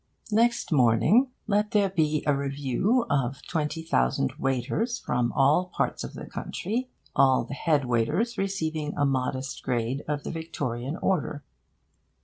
Next morning, let there be a review of twenty thousand waiters from all parts of the country, all the head waiters receiving a modest grade of the Victorian Order.